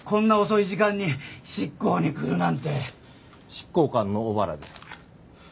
執行官の小原です。